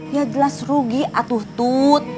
ya jelas rugi atuh tut